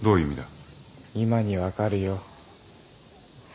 今に分かるよ。